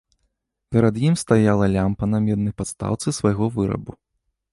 Перад ім стаяла лямпа на меднай падстаўцы свайго вырабу.